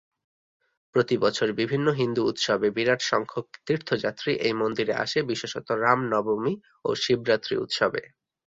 প্রতি বছর বিভিন্ন হিন্দু উৎসবে বিরাট সংখ্যক তীর্থযাত্রী এই মন্দিরে আসে বিশেষত রাম নবমী ও শিবরাত্রি উৎসবে।